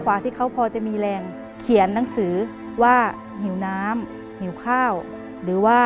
รายการต่อไปนี้เป็นรายการทั่วไปสามารถรับชมได้ทุกวัย